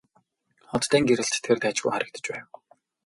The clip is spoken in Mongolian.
Оддын гэрэлд тэр дажгүй харагдаж байв.